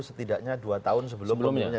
setidaknya dua tahun sebelumnya